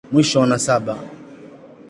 Mwisho wa nasaba.